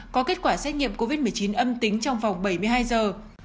có kết quả xét nghiệm covid một mươi chín âm tính trong vòng bảy mươi hai giờ